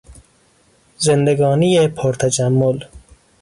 زندگانی پر تجمل